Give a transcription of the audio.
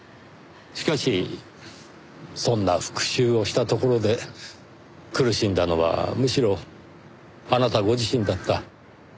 しかしそんな復讐をしたところで苦しんだのはむしろあなたご自身だった。